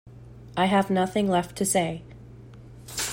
I have nothing left to say.